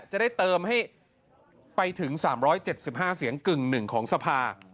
จะได้เติมให้ไปถึง๓๗๕เสียงกึ่งหนึ่งของสภา